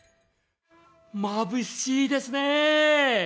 まぶしいですね。